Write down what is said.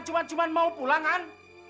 cuman cuman mau pulangan